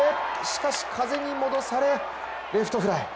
しかし風に戻されレフトフライ。